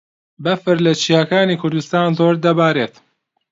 بەفر لە چیاکانی کوردستان زۆر دەبارێت.